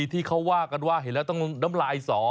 ที่เขาว่ากันว่าเห็นแล้วต้องน้ำลายสอ